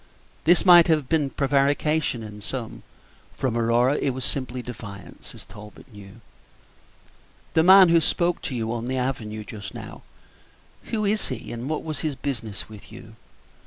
This might have been prevarication in some; from Aurora it was simply defiance, as Talbot knew. "The man who spoke to you on the avenue just now. Who is he, and what was his business with you?"